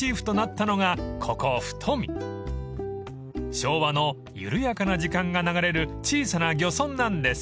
［昭和の緩やかな時間が流れる小さな漁村なんです］